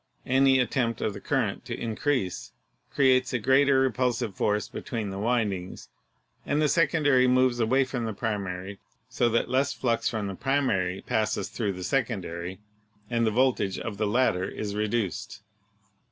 Any attempt of the current to increase creates a greater repulsive force between the windings, and the sec ondary moves away from the primary so that less flux from the primary passes through the secondary and the voltage of the latter is reduced.